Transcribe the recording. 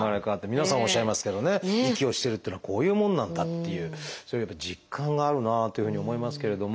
皆さんおっしゃいますけどね息をしてるっていうのはこういうものなんだっていうそういうやっぱ実感があるなというふうに思いますけれども。